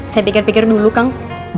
saya pikir pikir dulu kang